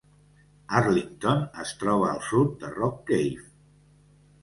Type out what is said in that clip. Arlington es troba al sud de Rock Cave.